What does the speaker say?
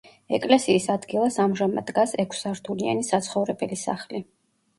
ეკლესიის ადგილას ამჟამად დგას ექვსსართულიანი საცხოვრებელი სახლი.